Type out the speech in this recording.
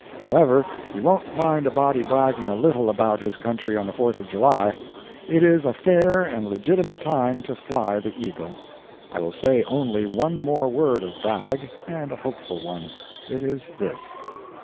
However, you won't mind a body bragging a little about his country on the fourth of July. It is a fair and legitimate time to fly the eagle. I will say only one more word of brag and a hopeful one. It is this.